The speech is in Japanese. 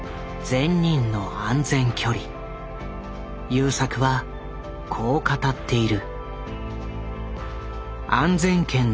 優作はこう語っている。